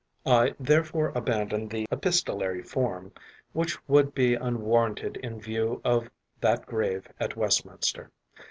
I therefore abandon the epistolary form, which would be unwarranted in view of that grave at Westminster.